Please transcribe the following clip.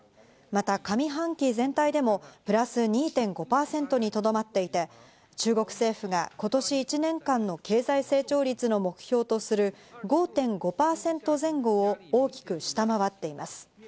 また上半期全体でもプラス２．５％にとどまっていて、中国政府が今年１年間の経済成長率の目標とする５．５％前後を大きく下回っています。